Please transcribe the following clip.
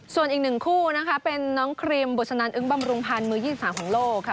ส่วนอีกหนึ่งคู่นะคะเป็นน้องครีมบุษนันอึ้งบำรุงพันธ์มือ๒๓ของโลกค่ะ